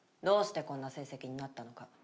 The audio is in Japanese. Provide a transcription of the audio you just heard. どうしてこんな成績になったのか。